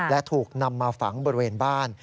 และถูกนำมาฝังบริเวณบ้าน